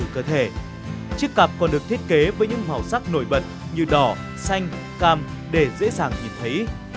cơ thể chiếc cặp còn được thiết kế với những màu sắc nổi bật như đỏ xanh cam để dễ dàng nhìn thấy